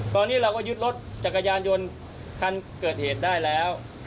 ตอนนี้เราก็ยึดรถจักรยานยนต์คันเกิดเหตุได้แล้ว